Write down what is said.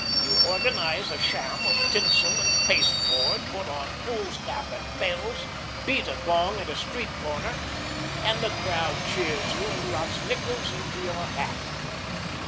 You organise a sham of tinsel and pasteboard, put on fool's cap and bells, beat a gong at a street corner, and the crowd cheers you and drops nickels into your hat.